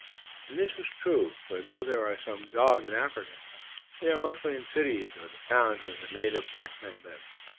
And this was true, for though there are some dogs in Africa, they are mostly in cities or the towns where the native black men live.